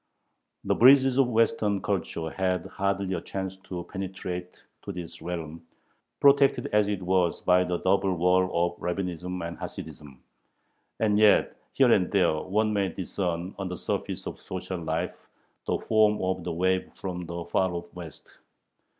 The breezes of Western culture had hardly a chance to penetrate to this realm, protected as it was by the double wall of Rabbinism and Hasidism. And yet here and there one may discern on the surface of social life the foam of the wave from the far off West.